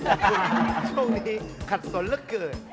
ช่วงนี้ขัดสนแล้วเกิด